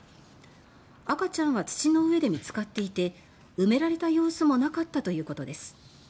赤ちゃんは土の上で見つかっていて埋められた様子もなかったということです。